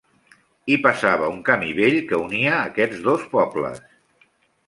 Hi passava un camí vell que unia aquests dos pobles.